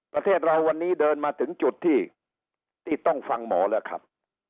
ประเทศเราวันนี้เดินมาถึงจุดที่ต้องฟังหมอแล้วครับ